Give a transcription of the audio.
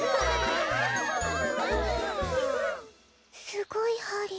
すごいハリ。